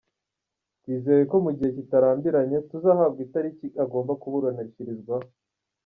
Twizeye ko mu gihe kitarambiranye tuzahabwa itariki agomba kuburanishirizwaho.